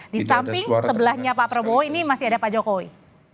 di samping sebelahnya pak prabowo ini masih ada pak jokowi